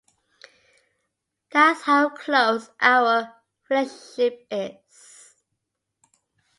That's how close our relationship is.